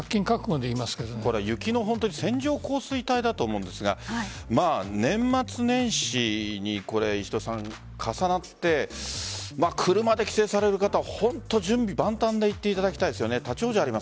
雪の線状降水帯だと思うんですが年末年始に重なって車で帰省される方本当、準備万端で行っていただきたいですよね。